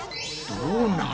どうなる？